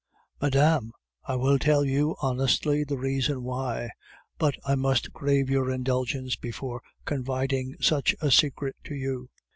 "Madame, I will tell you honestly the reason why; but I must crave your indulgence before confiding such a secret to you.